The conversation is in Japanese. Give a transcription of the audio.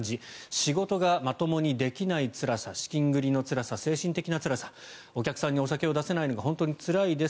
仕事がまともにできないつらさ資金繰りのつらさ精神的なつらさお客さんにお酒を出せないのが本当につらいです